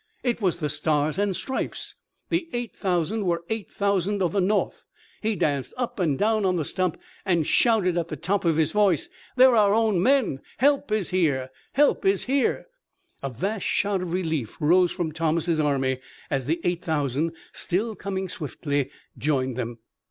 It was the stars and stripes. The eight thousand were eight thousand of the North! He danced up and down on the stump, and shouted at the top of his voice: "They're our own men! Help is here! Help is here!" A vast shout of relief rose from Thomas' army as the eight thousand still coming swiftly joined them.